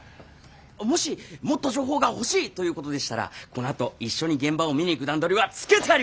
もしもっと情報が欲しい！ということでしたらこのあと一緒に現場を見に行く段取りはつけてあります！